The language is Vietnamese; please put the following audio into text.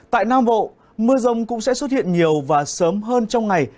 tại nam bộ mưa rông cũng sẽ xuất hiện nhiều và sớm hơn trong ngày